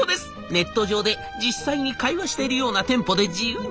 ネット上で実際に会話してるようなテンポで自由にやりとりができる。